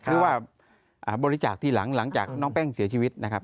หรือว่าบริจาคทีหลังจากน้องแป้งเสียชีวิตนะครับ